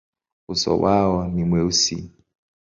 Uso wao ni mweusi.